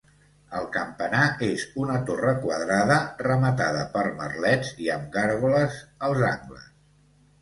El campanar és una torre quadrada rematada per merlets i amb gàrgoles als angles.